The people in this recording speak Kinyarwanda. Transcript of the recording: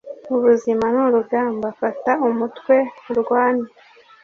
ubuzima ni urugamba .. fata umutwe urwane